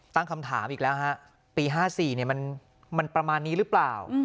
ตั้งคำถามอีกแล้วฮะปีห้าสี่เนี่ยมันมันประมาณนี้หรือเปล่า